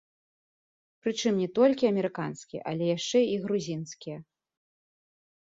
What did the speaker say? Прычым не толькі амерыканскія, але яшчэ і грузінскія!